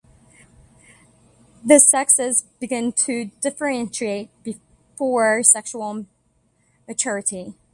The sexes begin to differentiate before sexual maturity.